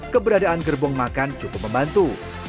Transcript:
keberadaan gerbong makan cukup membantu